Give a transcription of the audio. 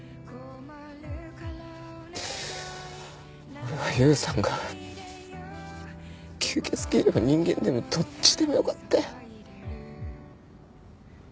俺はよよさんが吸血鬼でも人間でもどっちでもよかったよ。